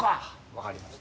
分かりました。